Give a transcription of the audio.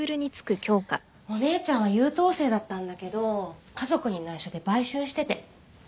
お姉ちゃんは優等生だったんだけど家族に内緒で売春してて。